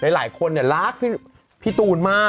หลายคนรักพี่ตูนมาก